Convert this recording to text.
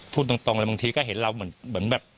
พูดตรงเลยบางทีก็เห็นเราเหมือนแบบ